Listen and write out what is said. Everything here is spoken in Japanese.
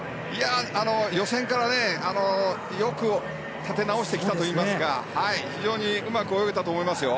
予選からよく立て直してきたといいますか非常にうまく泳げたと思いますよ。